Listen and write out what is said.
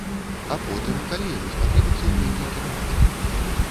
А потым, калі яму спатрэбіцца ўменне кіраваць?